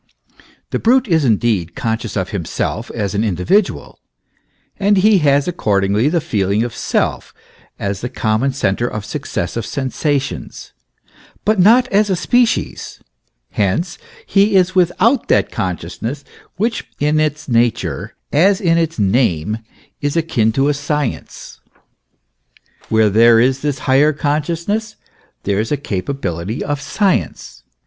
The brute is indeed conscious of himself as an individual and he has accordingly the feeling of self as the common centre of successive sensations but not as a species : hence, he is without that consciousness which in its nature, as in its name, is akin to science. Where there is this higher consciousness there is a capability of science.